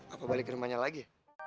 apa balik ke rumahnya lagi